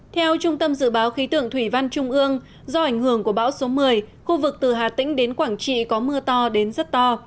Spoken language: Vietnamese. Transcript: theo trung tâm dự báo khí tượng thủy văn trung ương do ảnh hưởng của bão số một mươi khu vực từ hà tĩnh đến quảng trị có mưa to đến rất to